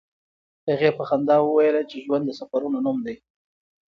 هغې په خندا وویل چې ژوند د سفرونو نوم دی.